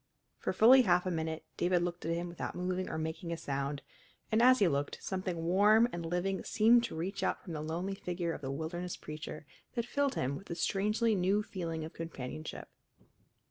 For fully half a minute David looked at him without moving or making a sound, and as he looked, something warm and living seemed to reach out from the lonely figure of the wilderness preacher that filled him with a strangely new feeling of companionship.